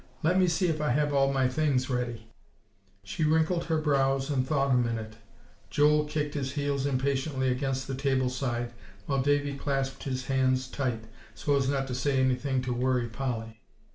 let me see if I have all my things ready." She wrinkled her brows and thought a minute. Joel kicked his heels impatiently against the table side, while Davie clasped his hands tight so as not to say anything to worry Polly.